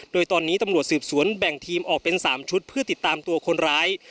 โดยตอนนี้ตำรวจสืบสวนแบ่งทีมออกเป็น๓ชุดเพื่อติดตามตัวคนร้าย